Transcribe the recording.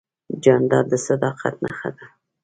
جانداد د صداقت نښه ده.